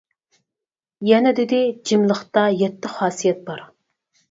يەنە دېدى: جىملىقتا يەتتە خاسىيەت بار.